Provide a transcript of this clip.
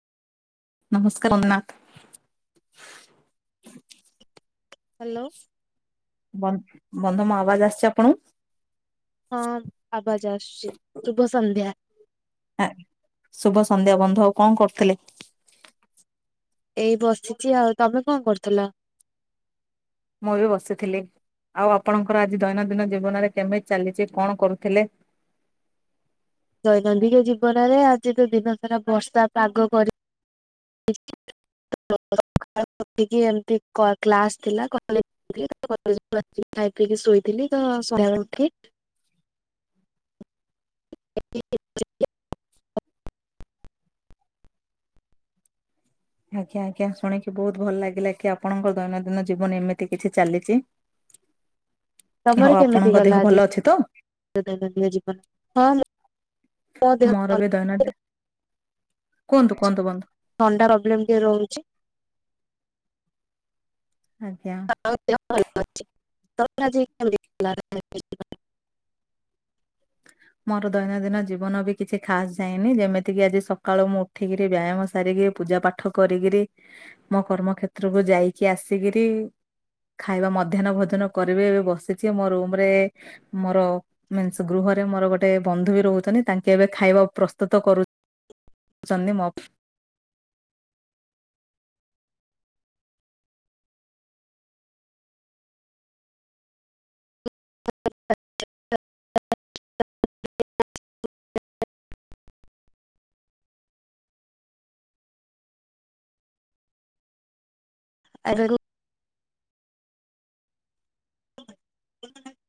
ନମସ୍କାର ଓମ୍ନାଥ। ହାଲୋ। ବ ବନ୍ଧମ ଆବାଜ ଆସିଛି ଆପଣଙ୍କୁ। ହଁ, ଆବାଜ ଆସଛି ଶୁଭ ସନ୍ଧ୍ୟା। ଶୁଭ ସନ୍ଧ୍ୟା ବନ୍ଧୁ ।ଆଉ କଣ କରୁଥିଲେ? ଏଇ ବସିଛି ଆଉ। ତମେ କଣ କରୁଥିଲ? ମୁଁ ବି ବସିଥିଲି। ଆଉ ଆପଣଙ୍କର ଆଜି ଦୈନନ୍ଦିନ ଜୀବନରେ କେମିତି ଚାଲିଚି। କଣ କରୁଥିଲେ? ଦୈନନ୍ଦିନ ଜୀବନରେ ଆଜି ତ ଦିନ ସାରା ବର୍ଷା ପାଗ କରି [inaudible] କି ଏମିତି କ୍ଲାସ ଥିଲା [unintelligible] ଖାଇ ପିଇକି ଶୋଇଥିଲି। ତ ତ ଶୋଇ ଉଠି [unintelligible] ଆଜ୍ଞା ଆଜ୍ଞା ଶୁଣିକି ବହୁତ ଭଲ ଲାଗିଲା। କି ଆପଣଙ୍କର ଦୈନନ୍ଦିନ ଜୀବନ ଏମିତି କିଛି ଚାଲିଛି। ତମର ହଉ କେମିତି ଆପଣଙ୍କ ଗଲା ଦେହ ଆଜି ଭଲ ଅଛି ତ? ଦୈନନ୍ଦିନ ଜୀବନ? ହଁ ମୋ ଦେହ ମୋର ଭଲ ବି ଅଛି। ଦୈନଦି ଥଣ୍ଡା ପ୍ରୋବ୍ଲେମ ଟିକେ ରହୁଚି। ଆଜ୍ଞା। ହଁ ଦେହ ଭଲ ଅଛି। ତୋର ଆଜି କେମିତି ଥିଲା। [unintelligible] ମୋର ଦୈନନ୍ଦିନ ଜୀବନ ବି କିଛି ଖାସ ଯାଇନି। ଯେମିତିକି ଆଜି ସକାଳୁ ମୁଁ ଉଠିକିରି ବ୍ୟାୟାମ ସାରିକି ପୂଜା ପାଠ କରିକିରି, ମୋ କର୍ମକ୍ଷେତ୍ରକୁ ଯାଇକି ଆସିକରି ଖାଇବା ମଧ୍ୟାହ୍ନ ଭୋଜନ କରିବେ। ଏବେ ବସିଛି, ମୋ ରୁମରେ ମୋର ମିନ୍ସ ଗୃହ ମୋର ଗୋଟେ ବନ୍ଧୁ ବି ରହୁଛନ୍ତି, ତାଙ୍କେ ଏବେ ଖାଇବା ପ୍ରସ୍ତୁତ କରୁ ସନ୍ଦେମ ଅପ [unintelligible]